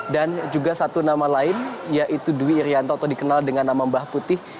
dan juga satu nama lain yaitu dwi irianto atau dikenal dengan nama mbah putih